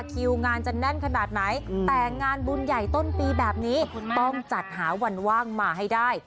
คิวงานจะแน่นขนาดไหนแต่งานบุญใหญ่ต้นปีแบบนี้ต้องจัดหาวันว่างมาให้ได้